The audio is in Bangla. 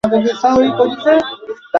পাহাড়ি জঙ্গলে এদের দর্শন মেলে।